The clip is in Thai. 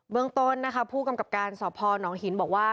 เมืองต้นนะคะผู้กำกับการสพนหินบอกว่า